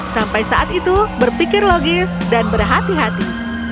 sampai saat itu berpikir logis dan berhati hati